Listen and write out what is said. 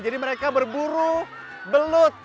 jadi mereka berburu belut